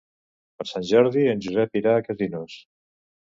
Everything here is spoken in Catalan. Per Sant Jordi en Josep irà a Casinos.